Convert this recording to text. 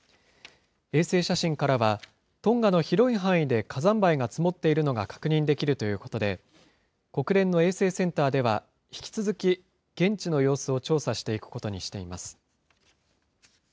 衛星写真からは、トンガの広い範囲で火山灰が積もっているのが確認できるということで、国連の衛星センターでは、引き続き現地の様子を調査していくことにしています。